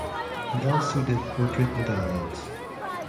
He also did portrait medallions.